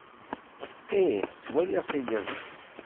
Eh, ttwaliɣ tiliẓri.